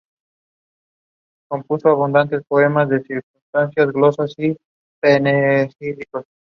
Fue tía del sacerdote Abad Pierre.